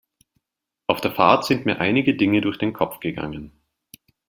Auf der Fahrt sind mir einige Dinge durch den Kopf gegangen.